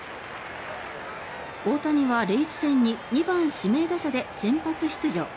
大谷はレイズ戦に２番指名打者で先発出場。